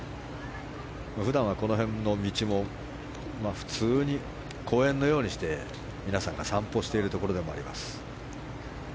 普段はこの辺の道も普通に公園のようにして皆さんが散歩しているところでもあります。